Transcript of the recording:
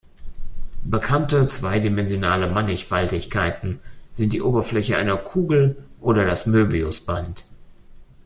Bekannte zweidimensionale Mannigfaltigkeiten sind die Oberfläche einer Kugel oder das Möbiusband.